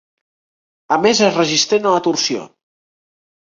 A més és resistent a la torsió.